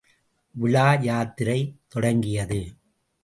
விழா யாத்திரை தொடங்கியது.